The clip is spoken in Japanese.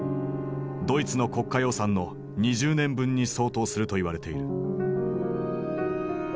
ドイツの国家予算の２０年分に相当すると言われている。